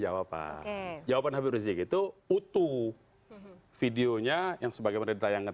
ada apa yang diperlukan